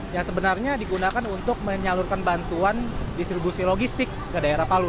yang sebenarnya digunakan untuk menyalurkan bantuan distribusi logistik ke daerah palu